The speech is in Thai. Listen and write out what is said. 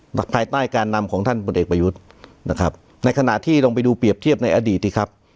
ภายใต้การนำของท่านพลเอกประยุทธ์นะครับในขณะที่ลองไปดูเปรียบเทียบในอดีตสิครับ